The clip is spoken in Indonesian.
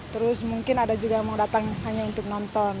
terus mungkin ada juga yang mau datang hanya untuk nonton